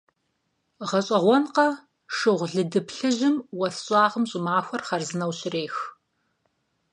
ГъэщӀэгъуэнкъэ, шыгъулды плъыжьым уэс щӀагъым щӀымахуэр хъарзынэу щрех.